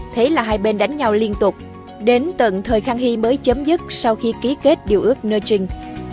thế là hai bên đánh nhau liên tục đến tận thời khăn hy mới chấm dứt sau khi ký kết điều ước nơ trinh